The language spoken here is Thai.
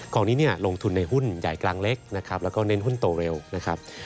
ของนี้เนี่ยลงทุนในหุ้นใหญ่กลางเล็กนะครับแล้วก็เน้นหุ้นโตเร็วนะครับ